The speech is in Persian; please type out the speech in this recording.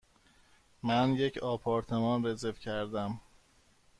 من یک آپارتمان رزرو کردم.